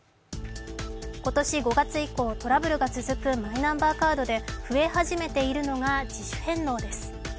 今年５月以降、トラブルが続くマイナンバーカードで増え始めているのが自主返納です。